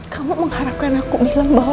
kamu mengharapkan aku bilang bahwa